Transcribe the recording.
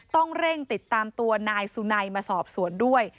ต้องเร่งติดตามตัวนายสุนัยมาสอบสวนด้วย